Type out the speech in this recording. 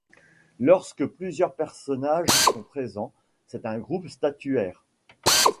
Lorsque plusieurs personnages sont présents, c'est un groupe statuaire.